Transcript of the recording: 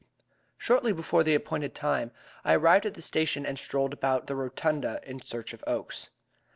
Shortly before the appointed time I arrived at the station and strolled about the rotunda in search of Oakes.